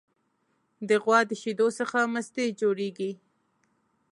د غوا د شیدو څخه مستې جوړیږي.